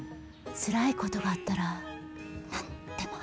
つらいことがあったら何でも話してね。